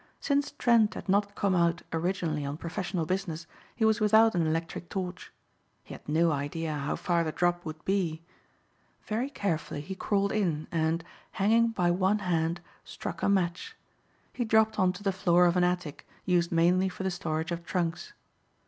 Since Trent had not come out originally on professional business, he was without an electric torch. He had no idea how far the drop would be. Very carefully he crawled in, and, hanging by one hand, struck a match. He dropped on to the floor of an attic used mainly for the storage of trunks.